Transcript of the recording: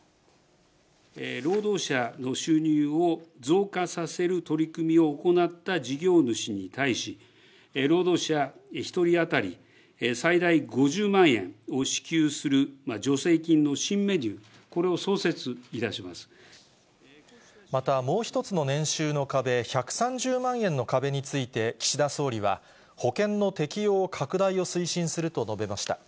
労働者の収入を増加させる取り組みを行った事業主に対し、労働者１人当たり最大５０万円を支給する助成金の新メニュー、またもう１つの年収の壁、１３０万円の壁について、岸田総理は、保険の適用拡大を推進すると述べました。